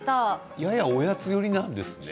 ややおやつ寄りなんですね。